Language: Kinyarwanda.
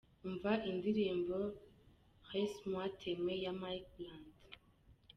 Umva indirimbo " Laisser moi t’aime" ya Mike Brant.